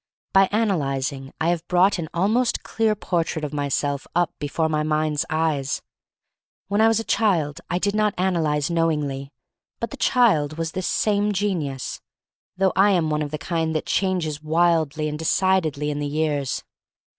By analyzing I have brought an almost clear portrait of myself up before my mind's eyes. When I was a child I did not analyze knowingly, but the child was this same genius, though I am one of the kind 240 THE STORY OF MARY MAC LANE that changes widely and decidedly in the years.